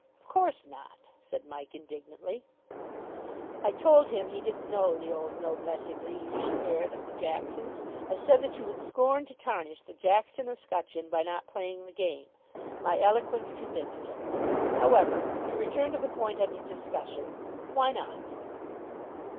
"Of course not," said Mike indignantly. "I told him he didn't know the old noblesse oblige spirit of the Jacksons. I said that you would scorn to tarnish the Jackson escutcheon by not playing the game. My eloquence convinced him. However, to return to the point under discussion, why not?"